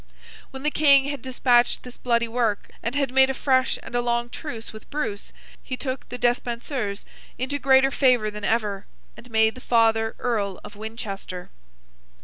When the King had despatched this bloody work, and had made a fresh and a long truce with Bruce, he took the Despensers into greater favour than ever, and made the father Earl of Winchester.